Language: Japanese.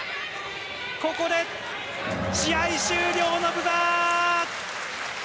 ここで、試合終了のブザー！